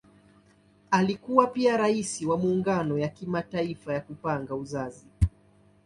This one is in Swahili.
Alikuwa pia Rais wa Muungano ya Kimataifa ya Kupanga Uzazi.